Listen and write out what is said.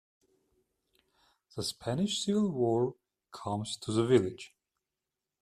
The Spanish Civil War comes to the village.